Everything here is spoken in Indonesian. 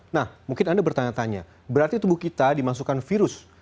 nah mungkin anda bertanya tanya berarti tubuh kita dimasukkan virus